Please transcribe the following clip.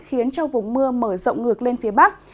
khiến cho vùng mưa mở rộng ngược lên phía bắc